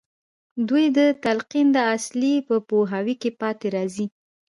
دوی د تلقين د اصل په پوهاوي کې پاتې راځي.